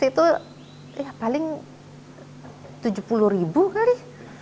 itu ya paling rp tujuh puluh kali